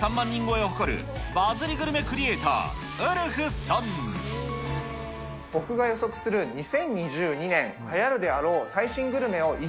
人超えを誇るバズリグルメクリエーター、僕が予測する２０２２年はやるであろう最新グルメを